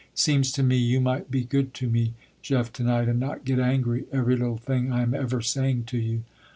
Seems to me you might be good to me Jeff to night, and not get angry, every little thing I am ever saying to you."